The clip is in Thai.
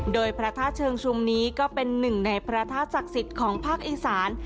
โดยพระธาตุเชิงชุมนี้ก็เป็นหนึ่งในพระธาตุศักดิ์สิทธิ์ของภาคอีสาน